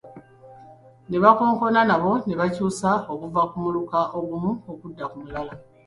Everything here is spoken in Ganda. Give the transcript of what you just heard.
Ne bakabona nabo bakyusibwa okuva ku muluka ogumu okudda ku mulala.